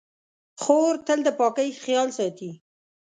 خور تل د پاکۍ خیال ساتي.